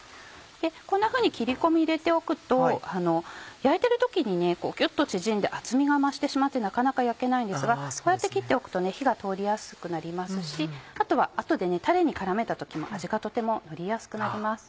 こんなふうに切り込み入れておくと焼いてる時にギュっと縮んで厚みが増してしまってなかなか焼けないんですがこうやって切っておくと火が通りやすくなりますしあとでたれに絡めた時も味がとてものりやすくなります。